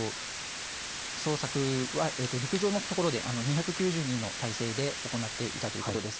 捜索は陸上のところで２９０人の態勢で行っていたということです。